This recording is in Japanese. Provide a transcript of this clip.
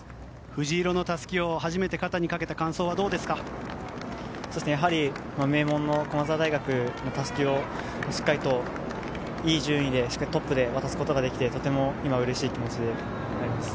藤色のたすきを初めて肩にかけた感想は名門の駒澤大学のたすきをしっかりといい順位でトップで渡すことができてとても今、うれしい気持ちです。